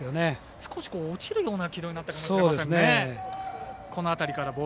少し落ちるような軌道になったかもしれませんね。